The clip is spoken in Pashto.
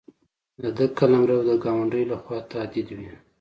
د ده قلمرو د ګاونډیو له خوا تهدید وي.